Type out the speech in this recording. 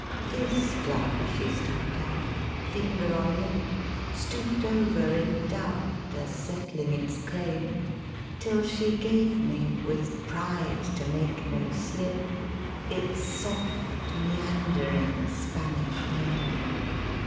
Ill This flower she stopped at, finger on lip, Stooped over, in doubt, as settling its claim Till she gave me, with pride to make no slip, Its soft meandering Spanish name.